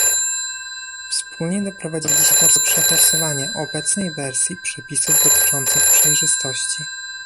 Wspólnie doprowadziliśmy do przeforsowania obecnej wersji przepisów dotyczących przejrzystości